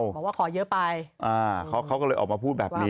บอกว่าขอเยอะไปเขาก็เลยออกมาพูดแบบนี้